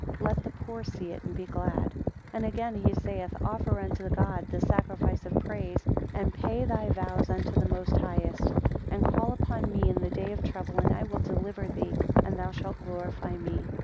Let the poor see it and be glad. 9 And again he saith, Offer unto God the sacrifice of praise, and pay thy vows unto the Most Highest. And call upon me in the day of trouble, and I will deliver thee, and thou shalt glorify me.